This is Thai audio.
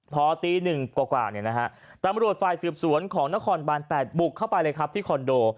พอตี๑กว่าตำรวจฝ่ายสืบสวนของนครบาน๘บุกเข้าไปเลยครับที่คอนโด